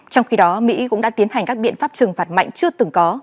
trong khi đó mỹ cũng đã tiến hành các biện pháp trừng phạt mạnh chưa từng có